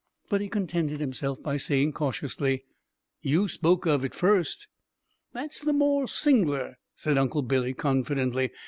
But he contented himself by saying cautiously, "You spoke of it first." "That's the more sing'lar," said Uncle Billy confidently.